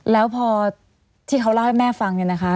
แล้วพอที่เขาเล่าให้แม่ฟังเนี่ยนะคะ